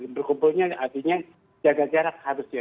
berkumpulnya artinya jaga jarak harus ya